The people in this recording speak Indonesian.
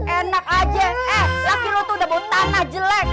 enak aja eh laki laki lu tuh udah mau tanah jelek